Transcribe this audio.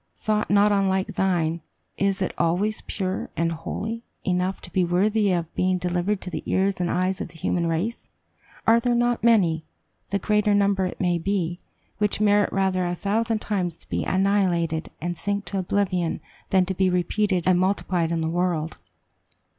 Thought not unlike thine, is it always pure and holy enough to be worthy of being delivered to the ears and eyes of the human race? Are there not many the greater number it may be which merit rather a thousand times to be annihilated, and sink to oblivion, than to be repeated and multiplied in the world?